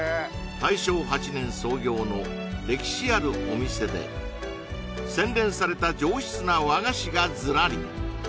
大正８年創業の歴史あるお店で洗練された上質な和菓子がズラリ